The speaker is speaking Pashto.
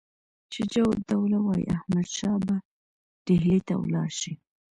شجاع الدوله وایي احمدشاه به ډهلي ته ولاړ شي.